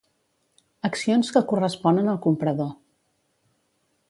Accions que corresponen al comprador.